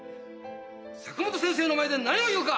佐久本先生の前で何を言うか！